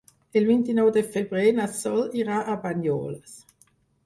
El vint-i-nou de febrer na Sol irà a Banyoles.